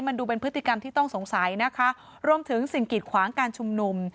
มันดูเป็นพฤติกรรมที่ต้องสงสัยนะคะรวมถึงสิ่งกิดขวางการชุมนุม